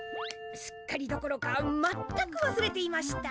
すっかりどころか全くわすれていました。